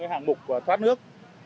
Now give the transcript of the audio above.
hạng mục thoát nước